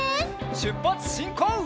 しゅっぱつしんこう！